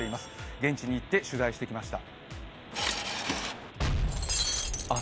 現地に行って取材してきました。